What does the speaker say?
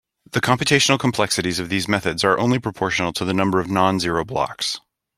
The computational complexities of these methods are only proportional to the number of non-zero blocks.